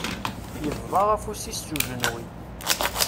Yebḍa afus-is s ujenwi.